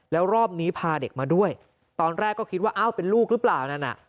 แล้วรอบนี้พาเด็กมาด้วยตอนแรกก็คิดว่าอ้าวเป็นลูกหรือเปล่านั่นน่ะ